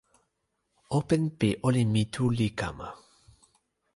open pi olin mi tu li kama.